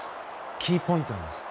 キーポイントです。